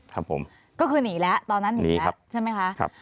ครับผมก็คือหนีแล้วตอนนั้นหนีแล้วใช่ไหมคะครับ